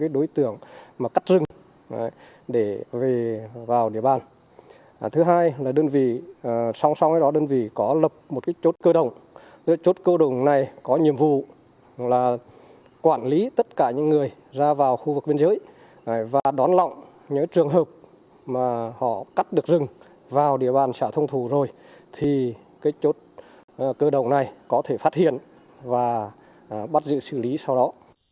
đón lọng những trường hợp mà họ cắt được rừng vào địa bàn xã thông thủ rồi thì cái chốt cơ đồng này có thể phát hiện và bắt giữ xử lý sau đó